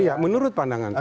iya menurut pandangan saya